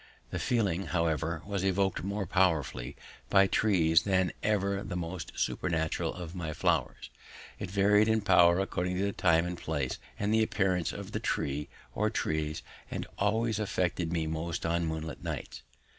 The feeling, however, was evoked more powerfully by trees than by even the most supernatural of my flowers; it varied in power according to time and place and the appearance of the tree or trees, and always affected me most on moonlight nights.